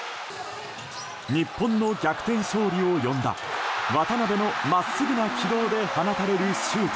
日本の逆転勝利を呼んだ渡邊の真っすぐな軌道で放たれるシュート。